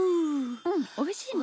うんおいしいね。